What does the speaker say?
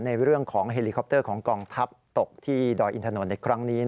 ในเรื่องของเฮลิคอปเตอร์ของกองทัพตกที่ดอยอินถนนในครั้งนี้